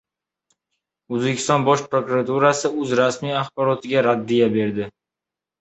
O‘zbekiston Bosh prokuraturasi o‘z rasmiy axborotiga raddiya berdi